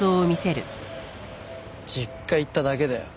実家行っただけだよ。